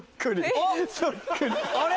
あれ？